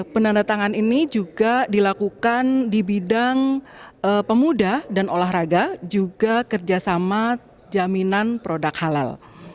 penandatangan ini juga dilakukan di bidang pemuda dan olahraga juga kerjasama jaminan produk halal